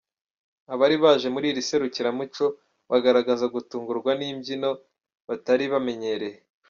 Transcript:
Abari baje muri iri serukiramuco bagaragazaga gutungurwa n’imbyino batari bamenyereye.